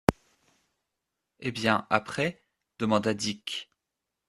Eh bien, après? demanda Dick.